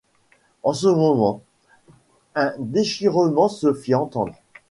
En ce moment, un déchirement se fit entendre.